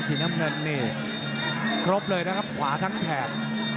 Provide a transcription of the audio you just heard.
ซีนำนั้นนี่ครบเลยนะครับขวาทั้งแผน